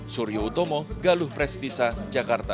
suryo utomo galuh prestisa jakarta